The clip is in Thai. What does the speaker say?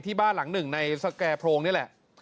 บ้านหลังหนึ่งในสแก่โพรงนี่แหละ